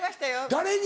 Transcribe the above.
誰に？